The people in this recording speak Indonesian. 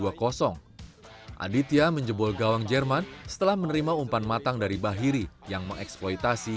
aditya menjebol gawang jerman setelah menerima umpan matang dari bahiri yang mengeksploitasi